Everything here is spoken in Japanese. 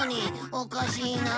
おかしいなあ。